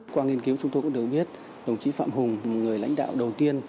qua nghiên cứu chúng tôi cũng đều biết đồng chí phạm hùng người lãnh đạo đầu tiên